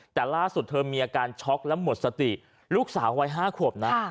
แต่ล่าสุดเธอมีอาการช็อกและหมดสติลูกสาววัย๕ขวบนะ